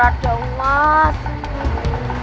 ada yang mati